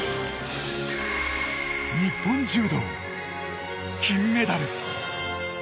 日本柔道、金メダル。